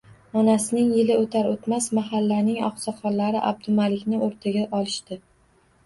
Onasining yili o`tar-o`tmas mahallaning oqsoqllari Abdumalikni o`rtaga olishdi